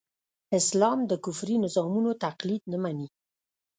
اسلام د کفري نظامونو تقليد نه مني.